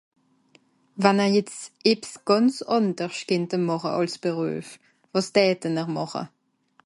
Wann ìhr jetz ébbs gànz àndersch kennte màche àls Beruef, wàs dätte-n-r màche ?